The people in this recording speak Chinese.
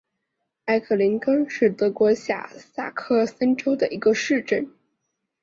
艾克林根是德国下萨克森州的一个市镇。